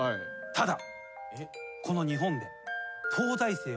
ただ。